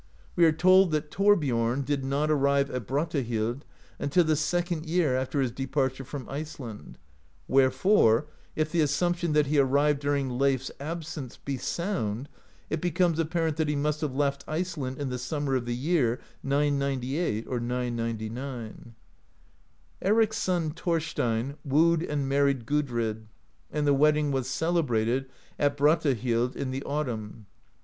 We are told that Thorbiorn did not arrive at Brattahlid until the second year after his departure from Iceland, wherefore, if the assumption that he arrived during Leif s absence be sound, it be comes apparent that he must have left Iceland in the siunmer of the year 998 or 999. Eric's son, Thorstein, wooed and married Gudrid, and the wedding was celebrated at Brattahlid in the autumn.